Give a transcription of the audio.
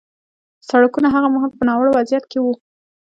سړکونه هغه مهال په ناوړه وضعیت کې وو